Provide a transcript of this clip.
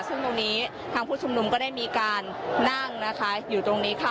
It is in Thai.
ซึ่งตรงนี้ทางผู้ชุมนุมก็ได้มีการนั่งนะคะอยู่ตรงนี้ค่ะ